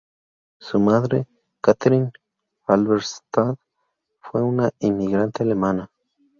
Su madre, Catherine Halberstadt, fue una inmigrante alemana.